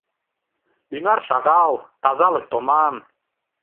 — Ӱнар шагал, тазалык томам...